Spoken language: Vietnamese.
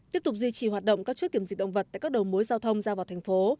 tiếp tục duy trì hoạt động các chốt kiểm dịch động vật tại các đầu mối giao thông ra vào thành phố